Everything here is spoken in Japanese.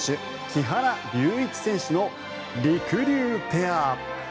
木原龍一選手のりくりゅうペア。